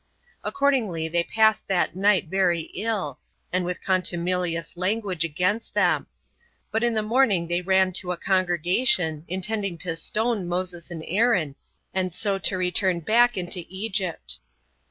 Accordingly they passed that night very ill, and with contumelious language against them; but in the morning they ran to a congregation, intending to stone Moses and Aaron, and so to return back into Egypt.